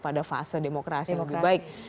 pada fase demokrasi yang lebih baik